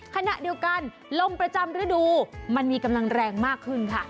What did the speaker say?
ขณะเดียวกันลมประจำฤดูมันมีกำลังแรงมากขึ้นค่ะ